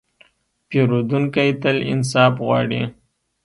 پیرودونکی تل انصاف غواړي.